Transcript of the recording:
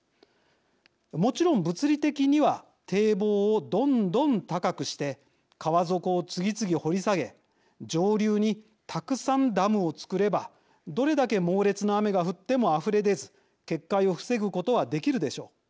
もちろん物理的には堤防をどんどん高くして川底を次々掘り下げ上流にたくさんダムを造ればどれだけ猛烈な雨が降ってもあふれ出ず決壊を防ぐことはできるでしょう。